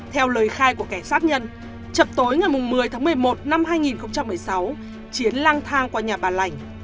theo lời khai của kẻ sát nhân chập tối ngày một mươi tháng một mươi một năm hai nghìn một mươi sáu chiến lang thang qua nhà bà lành